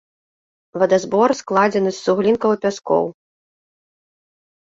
Вадазбор складзены з суглінкаў і пяскоў.